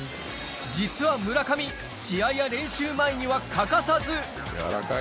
実は村上試合や練習前には欠かさず柔らか！